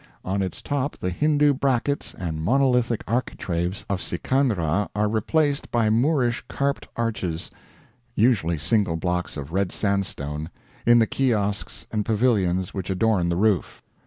On its top the Hindu brackets and monolithic architraves of Sikandra are replaced by Moorish carped arches, usually single blocks of red sandstone, in the Kiosks and pavilions which adorn the roof.